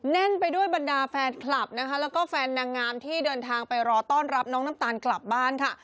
แน่นไปด้วยบรรดาแฟนคลับนะคะแล้วก็แฟนนางงามที่เดินทางไปรอต้อนรับน้องน้ำตาลกลับบ้านค่ะ